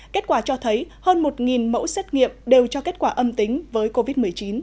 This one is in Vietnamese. kết quả cho thấy hơn một mẫu xét nghiệm đều cho kết quả âm tính với covid một mươi chín